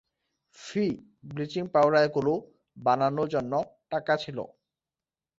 ফি, bleaching পাউডারগুলো বানানোর জন্য টাকা ছিল.